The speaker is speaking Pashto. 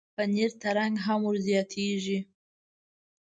پنېر ته رنګ هم ورزیاتېږي.